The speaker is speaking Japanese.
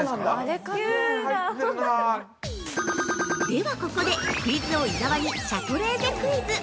では、ここでクイズ王・伊沢にシャトレーゼクイズ。